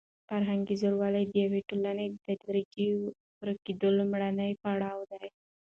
فرهنګي زوال د یوې ټولنې د تدریجي ورکېدو لومړنی پړاو دی.